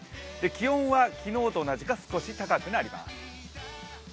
気温は昨日と同じか、少し高くなります。